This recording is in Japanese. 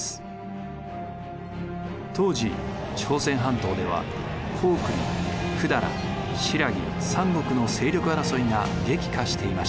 当時朝鮮半島では高句麗百済新羅三国の勢力争いが激化していました。